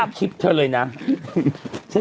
ก็มีคลิปเธอเลยนะ